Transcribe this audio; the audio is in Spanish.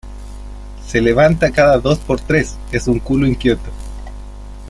Se levanta cada dos por tres, es un culo inquieto